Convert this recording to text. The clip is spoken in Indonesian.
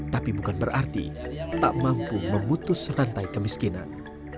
tapi bukan berarti tak mampu memutus rantai kemiskinan